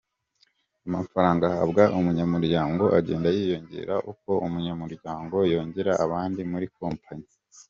Amafaranga ahabwa umunyamuryango agenda yiyongera uko umunyamuryango yongera abandi muri kompanyi.